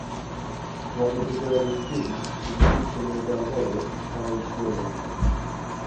One of his early students was future Nobel laureate Harold Urey.